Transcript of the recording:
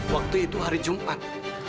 waktu itu hari jumpat